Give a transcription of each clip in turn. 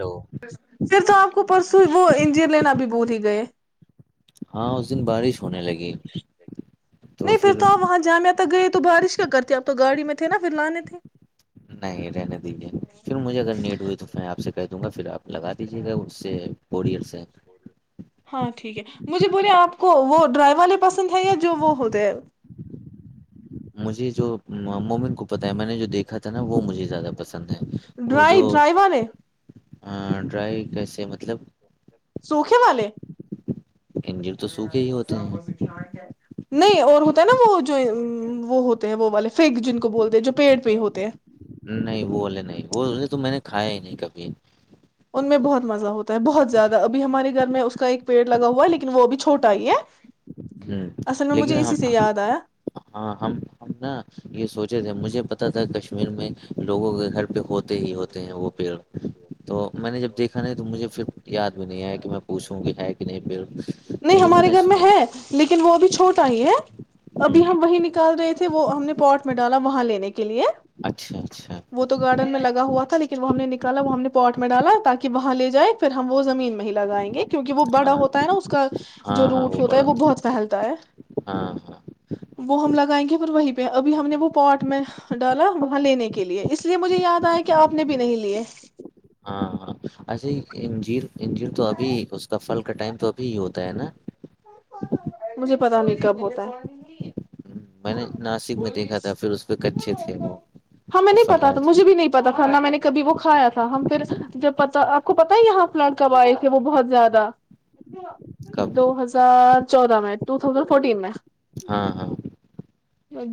ہو پھر تو آپ کو پرسوں وہ انجین لینا بھی بور ہی گئے ہاں اس دن بارش ہونے لگی تو نہیں پھر آپ وہاں جامعہ گئے تو بارش کیا کرتی ابپ تو گاڑی میں تھے نہا پھر لانے تھے نہیں رہنے دیجیے پھر مجھے اگر نیڈ ہوئی تو میں آپ سے کہ دوںاھر آپ لگا دیجیے گا اس سے اورڈینس ہاں ٹھیک ہے مجھے بولے آپ کو وہ ڈرائیور والے پسند ہے یا جو وہ ہوتے ہیں مجھے جو مومن کو پتا ہے میں نے جو دیکھا تھا نا وہ مجھے زیادہ پسند ہے وہ ڈرائی جو ڈرائی والے ڈرائی کیسے مطلب سوکھے والے انجر تو سوکھے ہی ہوتے ہیں نہیں اور ہوتا ہے نا وہ جو وہ ہوتے ہیں وہ والے فگ جن کو بولتے ہیں جو پیڑ پہ ہوتے ہیں نہیں بے نہیں وہے تو میں نے کھایا ہی نہیں کبھی ان میں بہت مزہ ہوتا ہے بہت زیادہ ابھی ہمارے گھر میں اس کا ایک پیڑ لگا ہوا ہے لیکن وہ ابھی چھوٹا ہی ہے ہ اصل میں لیکن مجھے ہم اسی سے یاد آیا ہاں ہم ہم نا یہ سوچے تھے مجھے ا پتا تھا کشمیر میں لوگوں کے گھر پہ ہوتے ہی ہوتے ہیں وہ پیڑ تو میں نے جب دیکھا نہیں تو مجھے پھر یاد بھی نہیں آیا کہ میں پوچھوں کہ ہے کہ نہیں پیڑ لیکن ہمارے نے گھر میں سنا تھا ہے لیکن وہ ابھی چھوٹا ہی ہے ابھی ہوں ہم وہی نکال رہے تھے وہ ہم نے پورٹ میں ڈالا وہاں لینے کے لیے اچھا اچھا وہ تو گارڈن میں لگا ہوا تھا لیکن وہ ہم نے نکالا وہ ہم نے پاٹ میں ڈالا تاکہ وہاں لے جائے پھر ہم وہ زمین میں ہی لگائیں گے کیونکہ وہ بڑا ہاں ہوتا ہے نا اس کا جو روٹ ہوتا ہے وہ بہت پھیلتا ہے ہاں ہاں وہ ہم لگائیں گے پھر وہ پہ ابھی ہم نے وہ پاٹ میں ڈالا لینے کے لیے اس لیے مجھے یاد آیا کہ آپ نے بھی نہیں لیے انجن تو ابھی اس کا پھل کا ٹائم تو ابھی ہی ہوتا ہے نا ج مجھے پتا نہیں کب ہوتا ہے ہوں، میں نے ناسک میں دیکھا تھا پھر اس پہ کچے تھے وہ ہمیں وہ نہیں پتا فلا تھا تھے مجھے بھی نہیں پتا تھا نہ میں نے کبھی وہ کھایا تھا ہم پھر جب پتا آپ کو پتا ہے یہاں پ لڑکب آئے تھے وہ بہت زیادہ اچھا کب دو ہزار چودہ میں ٹو تھاؤزینڈ فورٹین میں ہاں ہاں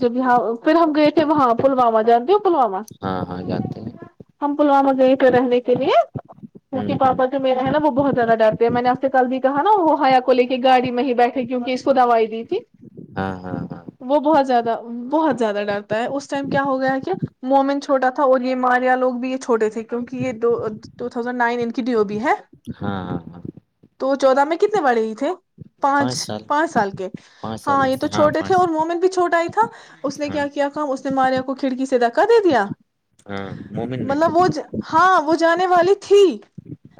جب یہاں پھر ہم گئے تھے وہاں پلوامہ جانتے ہو پلوامہ ہاں ہاں جانتے ہیں ہم پلوامہ گئے تھے رہنے کے لیے کیونکی ہوں ہوں پاپا جو میرے ہے نا وہ بہت زیادہ ڈرتے ہیں میں نےپ کل بھی کہا نا وہ ہیا کو لے کے گاڑی میں ہی بیٹھے کیونکہ اس کو دوائی دی تھی ہاں ہاں ہاں وہ بہت زیادہ بہت زیادہ ڈرتا ہے اس ٹائم کیا ہو گیا ہے کہ مومن چھوٹا تھا اور یہ ماریا لوگ بھی یہ چھوٹے تھے کیونکہ یہ دو ٹو تھازینڈ نائن ان کی ڈیو بی ہے ہاں ہاں ہاں تو چودہ میں کتنے بڑے ہی تھے پانچ پانچ سال کے پانچ سال ہاں یہ تو چھوٹے تھے پانچ اور مومن بھی چھوٹا آ ہی تھا تھا اس نے ہاں کیا کیا کام اس نے ماریا کو کھڑکی سے دھکا دے دیا ہاں مومن نے مطلب وہ ج ہاں وہ جانے والی تھی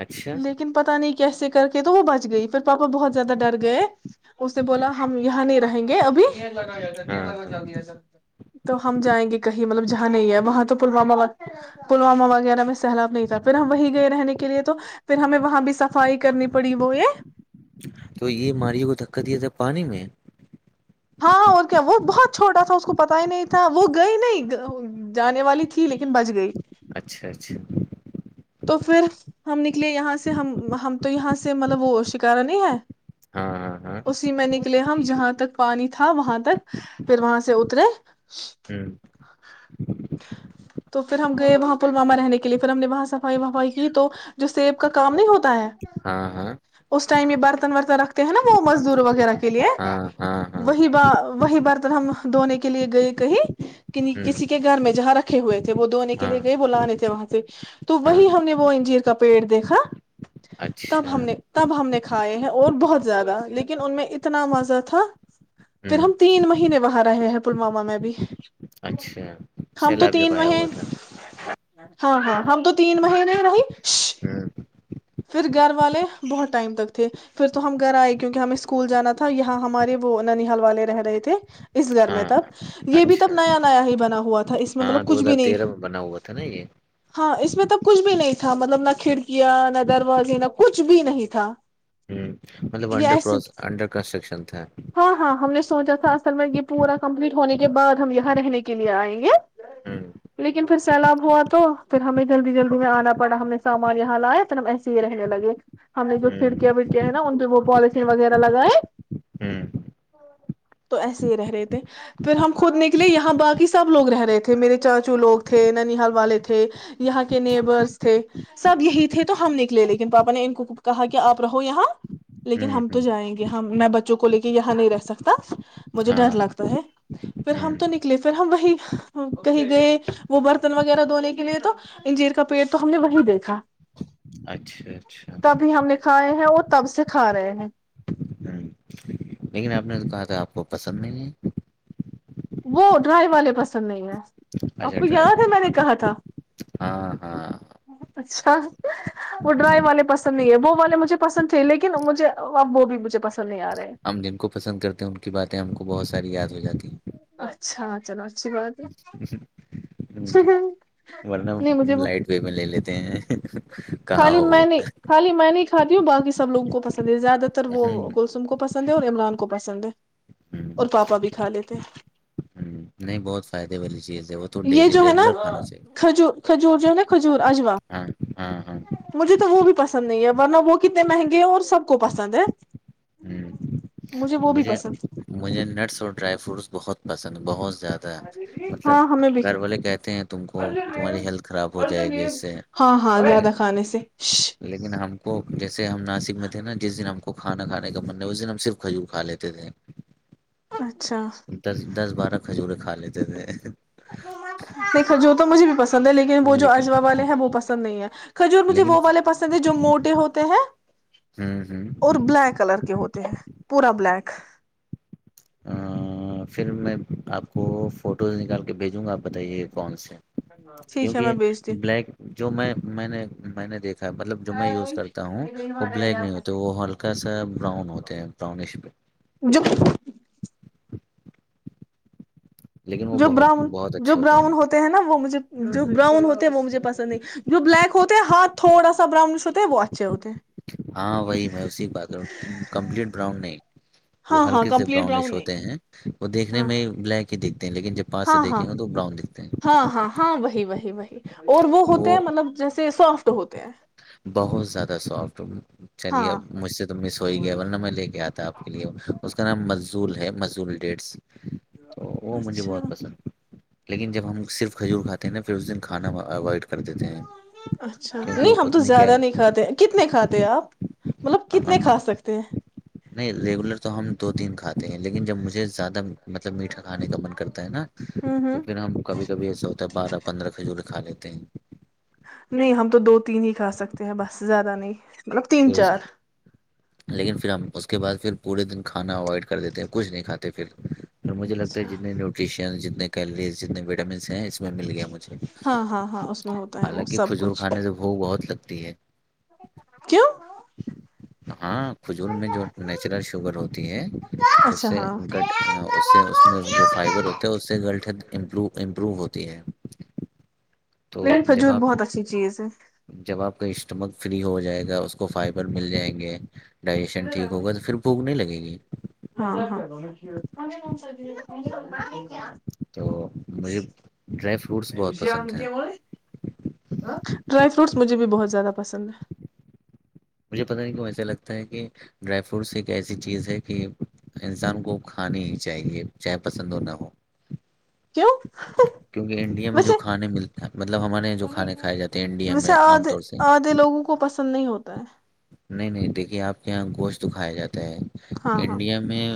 اچھا لیکن پتا نہیں کیسے کر کے تو وہ بچ گئی پھر پاپا بہت زیادہ ڈر گئے اس نے بولا ہم یہاں نہیں رہیں گے ابھی نین لگایا س نین ہاں لگا ہاں چل د ہے سر تو ہم جائیں گے کہیں مطلب جہاں نہیں ہے وہاں تو پلوامہ پلوامہ وغیرہ میں سیلاب نہیں تھا پھر ہم وہیں گئے رہنے کے لیے تو پھر ہمیں وہاں بھی س صائی کرنی پڑی وہ یہ تو یہ ماریے کو دکا دیا تھا پانی میں ہاںاں اور کیا وہ بہت چھوٹا تھا اس کو پتا ہی نہیں تھا وہ گئی نہیں جانے والی تھی لیکن بچ گئی اچھا اچھا تو پھر ہم نکلے یہاں سے ہم ہم تو یہاں سے مطلب وہ شکارا نہیں ہے اسی میں نکلے ہم جہاں تک پانی تھا وہاں تک پھر وہاں سے اترے تو پھر ہم گئے وہاں پلواما رہنے کے لیے پھر ہم نے وہاں صفائی وفائی کی تو جو سیب کا کام نہیں ہوتا ہے ہاں ہاں اس ٹائم یہ برتن ورتن رکھتے ہیں نا وہ مزدور وغیرہ کے لیے ہوں ہاں ہاں ہاں ہاں ہاں وہی وہی برتن ہم دھونے کے لیے گئے کہیں ہوں کسی کے گھر میں جہاں رکھے ہوئے تھے وہ دونے کے ہاں لیے گئے ب لانے تھے وہاں سے تو ہاں وہی ہم نے وہ انجیر کا پیڑ دیکھا تب اچھا ہم نے تب ہم نے کھائے ہیں اور بہت زیادہ لیکن ان میں اتنا مزہ تھا پھر ہوں ہم تین مہینے وہاں رہے ہیں پلوامہ میں بھی اچھا ہ ہم تو سیلاب تین جب آیا مہیں ہوا تھا ہاں ہاں ہم تو تین ہ مہینے نہیں ہاں پھر گھر والے بہت ٹائم تک تھے پھر تو ہم گھر آئے کیونکہ ہمیں اسکول جانا تھا یہاں ہمارے وہ ننحال والے رہ رہے تھے اس گھر میں ہاں تب یہ بھی اچھا تب نیا ہی بنا ہوا تھا اس میں ہاں مطلب دو کچھ بھی ہزار نہیں تیرہ میں بنا ہوا تھا نا یہ ہاں اس میں تب کچھ بھی نہیں تھا مطلب نہ ہ کھڑکیاں نہ دروازے نہ کچھ بھی نہیں تھا مطلب یہ انڈر ایسے انڈر کنسٹرکشن تھے ہاں ہاں ہم نے سوچا تھا اصل میں یہ پورا کمپلیٹ ہونے کے بع ہم یہاں رہنے کے لیے آئیں گے ہ لیکن پھر سیلاب ہوا تو پھر ہمیں جلدی جلدی میں آنا پڑا ہم نے سامان یہاں لایا پھر ہم ایسے ہی رہنے لگے ہم نے جو ہ کھڑکیاں وڑکیاں ہیں نا ان پہ وہ پالن وغیرہ لگائے ہ تو ایسے ہی رہ رہے تھے پھر ہم خود نکلے یہاں باقی سب لوگ رہ رہے تھے میرے چاچو لوگ تھے ننیحال والے تھے یہاں کے نیبرس تھے سب یہی تھے تو ہم نکلے لیکن پاپا نے ان کو کہا کہ آپ رہو یہاں لیکن ہم ہ تو جائیں گے ہم میں بچوں کو لے کے یہاں نہیں رہ سکتا مجھے ڈر ہاں لگتا ہے پھر ہ ہم تو نکلے پھر ہم وہی کہیں گئے وہ برتن وغیرہ دھونے کے لیے تو انجیر کا پیڑ تو ہم نے وہی دیکھا اچھا اچھا تبھی ہم نے کھائے ہیں اور تب سے کھا رہے ہیں ہ لیکن آپ نے تو کہا تھا آپ کو پسند نہیں ہے وہ ڈرائی والے پسند نہیں ہیں آپ اچھا کو یاد ہے ڈرائیور میں نے کہا تھا ہاں ہاں اچھا وہ ڈرائی والے پسند نہیں ہے وہ والے مجھے پسند تھے لیکن مجھے اب وہ بھی مجھے پسند نہیں آ رہا ہم جن کو پسند کرتے ہیں ان کی باتیں ہم کو بہت ساری یاد جی اچھا چلو اچھی بات ہے ہیں ہوں، ا ورنہ لائٹ وے میں لے لیتے ہیں کہا خالی میں ہوگا نے خالی م نے کھی ہوں بای سب لوگ کو پسند ہے زیادہ وہ ہوں گسم کو پس پس ہے اور عمران کو پسند ہے ہ ہ اور پاپا بھی کھا لیتے نہیں بہت فائدے والی چیز ہے وہ تو یہ ڈیلی جو ہے نا ریگولر کھانا چاہیے کھجور کھجور جو نا کھجور اجوا ہاں ہاں ہاں مجھے تو وہ بھی پسند نہیں ہے ورنہ وہ کتنے مہنگے ہیں اور سب کو پسند ہے ہ وہ بھی مجھے پسند مجھے نٹس اور ڈرائی فروٹس بہت پسند بہت ز مطلب ہاں ہمیں بھی گھر والے کہتے ہیں تم کو تمہاری ہیلتھ خراب ہو جائے گی اس سے ہاں ہاں زیادہ کھانے سے لیکن لیکن ہم کو جیسے ہم ناسک میں تھے نا جس دن ہم کو کانا کانے کا مننا ہے اسس دن ہم صرف کھو کھا لیتے تھے اچھا دس دس بارہ کھجور کھا لیتے تھ دیکا جو تو مجھے بھی پسند ہے لیکن وہ جو اجوا والے ہیں ب وہ پسند نہیں ہے کھور مجھے لیکن وہ والے پسند ہے جو موٹے ہو کہ ہیں ہوں ہوں اور بلیک کلر ہوتے ہیں پورا بلیک پھر میں آپ کو فوٹوز نکال کے بھیجوں گا آپ بتائیے کون سے ٹھیک ہے میں کیونکہ بھیجتی بلیک جو میں میں نے میں نے دیکھا مطلب جو میں یوز کرتا ہوں وہ بلیک نہیں ہوتے وہ ہلکا سا براؤن ہوتے ہیں براؤنش پہ ہوں جو لیکن وہ جو بہت براؤن بہت جو اچھے براؤن ہوتے ہیں نا وہ مجھے جو ہوں، براؤن ہوتے ہیں وہ مجھے پسند نہیں جو بلیک ہوتے ہیں ہاتھ تھوڑا سا براؤنش ہوتے ہے وہ اچھے ہوتے ہیں ہاں وہی میں اسی کی بات کر کمپلیٹ براؤن نہیں وہ ہاں ہاں ہلکے سے کمپلیٹ براؤنش براؤن نہیں ہوتے ہیں وہ دیکھنے ہاں میں بلیک کت [unintelligible] لیکن جب پس سے ہاں ہاں دیکھے ہو تو براؤن دکھتے ہاں ہیں ہاں ہاں وہی وہی اور وہ ہوتے ہیں مطلب جیسے سافٹ ہوتے ہیں بہت زیادہ سافٹ چلیے ہاں اب مجھ سے تو مس ہو ہی گیا ورنہ میں لے کے آتا اپ کے لیے اس کا نام مززول ہے مزول ڈیٹس تو وہ مجھے اچھا بہت پسند لیکن جب ہم صرف کھجور کھاتے ہیں نا پھر اس دن کھانا اوائڈ کر دیتے ہیں اچھا کیونکہ نہیں وہ ہم تو اتنی زیادہ کیل نہیں کاتے ہیں کتنے کھے تھے آپ مطلب ہم کتنے کھا سکتے ہیں نہیں ریگولر تو ہم دو تین کھاتے ہیں لیکن جب مجھے زیادہ مطلب میٹھا کھانے کا من کرتا ہے نا ہوں تو ہوں پھر ہم کبھی کبھی ایسا ہوتا ہے بارہ پندرہ کھجور دکھا لیتے ہیں نہیں ہم تو دو تین ہی کھا سکتے ہیں بس زیادہ نہیں مطلب تین پھر اس چار لیکن پھر ہم اس کے بعد پھر پورے دن کھانا اوائڈ کر دیتے ہیں کچھ نہیں کھاتے پھر تو مجھے لگتا ہے اچھا جتنے نیوٹریشن ج کیلریز جتنے وٹامنس ہیں مل گیا مجھے ہاں ہاں ہاں اس میں ہوتا ہے وہ حالانکہ سب کھجور کچھ کھانے سے ب بہت لگ تی ہے کیوں ہاں فجور میں جو نیچرل شوگر ہوتی ہے اس اچھا سے ہاں گٹ اس سے اس میں جو فائبر ہوتا ہے اس سے گٹدمرو امپروو ہوتا تی ہے تو نہیں جب کھجور آپ بہت اچھی چیز ہے جب آپ کا اسٹمک فری ہو جائے گا اس کو فائبر مل جائیں گے ڈائجیشن ٹھیک ہوگا پھرھوک لگی جی ہاںاں تو مجھے ڈرائی فروٹس بہت پسند ہیں ڈرائی فروٹس مجھے بھی بہت زیادہ پسند ہیں مجھے پتہ نہیں کہوں ایسا لگتا ہے کہ ڈرائی فروٹس ایک ایسی چیز ہے کہ انسان کو کھانی ہی چاہیے چاہے پسند اور نہ ہو کیوں کیونکہ انڈیا میں جو ویسے کھانے ملتے ویسے میں عام آدھے طور سے آدھے لوگوں کو پسند پسند نہیں ہوتا ہے نہیں نہیں دیکھیے آپ کے یہاں گوشت تو کھایا جاتا ہے ہاں ہاں انڈیا میں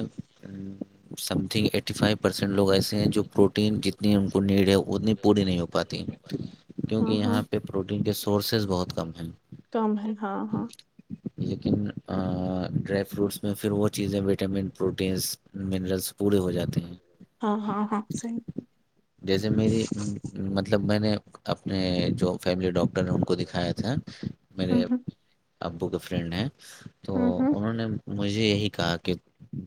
سمنگ فٹی فائیو پرسینٹ لوگ ایسے ہیں جو پروٹین جتنی ان کو نیڈ ہے اتنی پوری نہیں ہو پاتی کیونکہ ہاں ہاں یہاں پہ پروٹین کے سورسز بہت کم ہیں کم ہے ہاں ہاں لیکن ڈرائی فروٹس میں پھر وہ چیزیں وٹامن پروٹینس منرلس پورے ہو جاتے ہیں سن جیسے میری مطلب میں نے اپنے جو فیملی ڈاکٹر نے ان کو دکھایا تھا ہوں میرے ہوں ابو کے فرینڈ ہیں تو ہوں ہوں انہوں نے مجھے یہی کہا کہ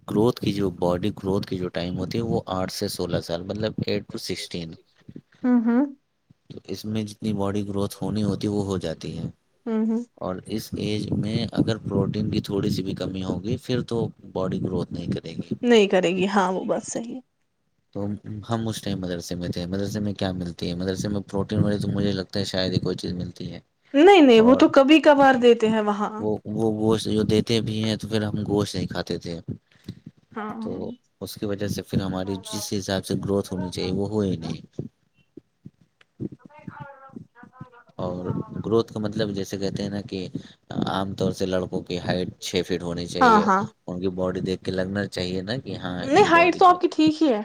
گروتھ کی جو باڈی گروتھ کی جو ٹائم ہوتی ہے وہ آٹھ سے سولہ سال مطلب ایٹ سسٹ ہوں ہوں تو اس میں جتنی باڈی گروتھ ہونی ہوتی وہ ہو جاتی ہے ہوں ہوں اور اس ایج میں اگر پروٹین کی تھوڑی سی بھی کمی ہوگی پھر تو باڈی گروتھ نہیں کرے گی نہیں کرے گی ہاں وہ بس صحیح تو ہم اس ٹائم مدرسے میں تھے مدرسے میں کیا ملتی ہے مدرسے میں پروٹین والی تو مجھے لگتا ہے شاید ہی کوئی چیز ملتی ہے نہیں نہیں وہ اور تو کبھی کبھار دیتے ہیں وہاں وہ وہ گوشت جو دیتے بھی ہیں تو پھر ہم گوشت نہیں کھاتے تھے ہاں تو اس کی وجہ سے پھر ہماری جس حساب سے گروتھ ہونی چاہیے وہ ہو ہی نہیں [unintelligible] اور گروتھ کا مطلب جیسے کہتے ہیں نا کہ عام طور سے لڑکوں کی ہائٹ چھ فٹ ہونی ہاں چاہیے ہاں ان کی باڈی دیک لگنا چاہیے نا کہ ہاں ان کی نہیں ہائٹ باڈی تو ہے آپ کی ٹھیک ہی ہے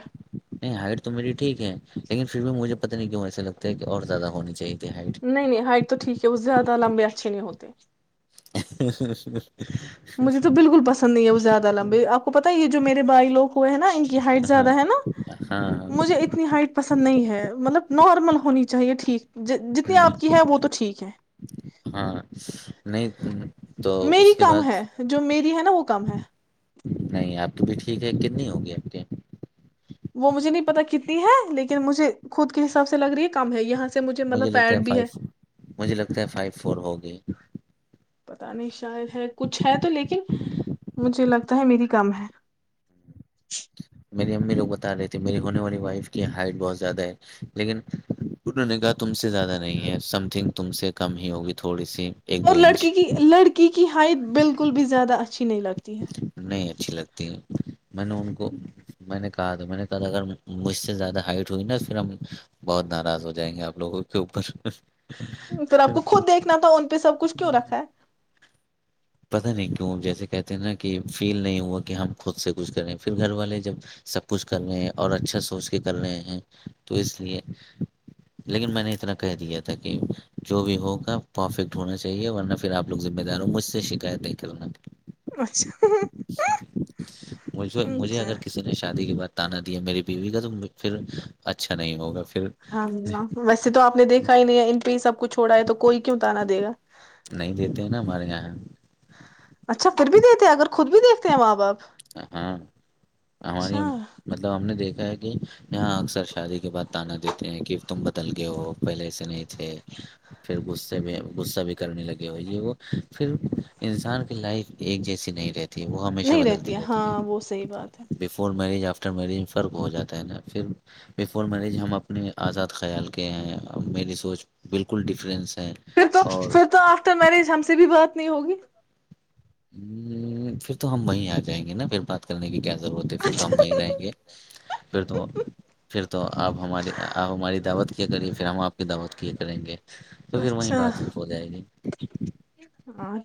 نہیں ہائٹ تو میری ٹھیک ہے لیکن پھر بھی مجھے پتہ نہیں کیوں ایسے لگتا ہے کہ اور زیادہ ہونی چاہی تھی ہائٹ نہیں نہیں ہائٹ تو ٹھیک ہے وہ زیادہ لمبے اچھے نہیں ہوتے ا [unintelligible] مجھے تو بالکل پسند نہیں ہے وہ زیادہ لمبی آپ کو پتا یہ جو میرے بائی لوگ ہوئے ہیں نا ان کی ہائٹ ہاں زیادہ ہے نا ہاں مجھے اتنی ہائٹ پسند نہیں ہے مطلب نار نارمل ہونی چاہیے ٹھیک جتنی آپ کی ہے وہ تو ٹھیک ہے ہاں نہیں تو میری اس کے کم بعد ہے جو میری ہے نا وہ کم ہے نہیں آپ تو بھی ٹھیک ہے کتنی ہوگی آپ کے یہ وہ مجھے نہیں پتا کتنی ہے لیکن مجھے خود کے حساب سے لگ رہی ہے کام ہے یہاں سے مجھے مطلب لگتا فیٹ ہے بھی فائیو مجھے لگتا ہے فائیو فور ہوگی پتا نہیں شاید ہے کچھ ہے تو لیکن مجھے لگتا ہے میری کم ہے [unintelligible] میری امی لوگ بتا رہے تھے میری ہونے والی وائف کی ہائٹ بہت زیادہ ہے لیکن انہوں نے کہا تم سے زیادہ نہیں ہے سم تھنگ تم سے کم ہی ہوگی تھوڑی سی ایک دو اور انچ کل بھی زیادہچ نہیں اچھی لگتی ہے میں نے ان کو میں نے کہا تو میں نے کہ اگر مجھ سے زیادہ ہائٹ ہوئی نا پھر ہم بہت ناراض ہو جائیں گے آپ لوگوں کے اوپر پھر آپ کو خود دیکھنا تھا ان پہ سب کچھ کیوں رکھا ہے پت نہیں کیوں جیسے کہتے ہیں نا کہ فیل نہیں ہوا کہ ہم خود سے کچھ کر رہے ہیں پھر گھر والے جب سب کچھ کر رہے ہیں اور اچھا سوچ کے کر رہے ہیں تو اس لیے لیکن میں نے اتنا کہہ دیا تھا کہ جو بھی ہوگا پرفیکٹ ہونا چاہیے ورنہ پھر آپ لوگ ذمہ دار ہ مجھ سےھ د اچھا [unintelligible] مجھے اچھا اگر کسی نے شادی کی بات بتانا دیا میری بیوی کا تو پھر اچھا نہیں ہوگا پھر ہاں ویسے تو آپ نے دیکھا ہی نہیں پ سب کچھڑا ہے تو کوئی کیوں ت آا دےا نہیں دیتے ہیں نا ہمارے یہاں اچھا پھر بھی د دیتے ہیں اگر خود بھی دیکھتے ہیں ماں باپ ہاں ہماری اچھا مطلب ہم نے دیک کہ یہاں اکثر شادی کے بات تانا دیتے ہیں کہ تم بدل گئے ہو پہلے ای سےے نہیں تھ پھر میں غصہ بھی کرنے لگے ہو یہ وہ پھر انسان کی لائف ایک جیسی نہیں رہتی [unintelligible] تھی وہ ہمیشہ نہیں بدلتی رہتی ہے [unintelligible] ہاں وہ صحی بات ہے [inaudible] اور میرج آفٹر میرج میں فرق ہو جاتا ہے نا پھر بفور مریج ہم اپنے آزاد خیال کے ہیں میری سوچ بالکل ڈفرینس [unintelligible] پھر تو اور پھر تو آفٹر میرج ہم سے بھی بات [inaudible] کتنی ہوگی [inaudible] ہ پھر تو ہم وہیں آ جائیں گے نا پھر بات کرنے کی کیا [unintelligible] ور ہے پھر تو ہم وہیں رہیں گے اچھا پھر تو پھر تو آپ ہماری آپ ہماری دعوت کی کریے پھر ہم آپ کی دعوت کی کریں گے تو پھر وہیں بات اچھا ہو جائے گی [unintelligible]